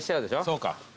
そうか。